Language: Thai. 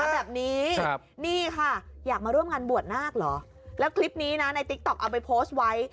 แบบนี้นี่ค่ะอยากมาร่วมงานบวชนาคเหรอแล้วคลิปนี้นะในติ๊กต๊อกเอาไปโพสต์ไว้